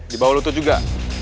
di bawah lutut juga